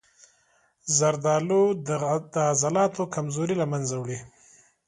زردآلو د عضلاتو کمزوري له منځه وړي.